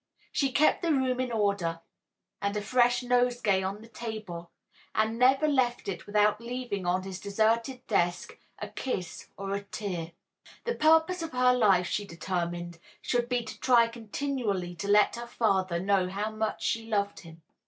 She kept the room in order and a fresh nosegay on the table, and never left it without leaving on his deserted desk a kiss and a tear. The purpose of her life, she determined, should be to try continually to let her father know how much she loved him.